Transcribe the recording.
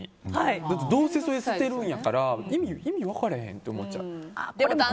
どうせそれ捨てるんやから意味分からへんと思っちゃう。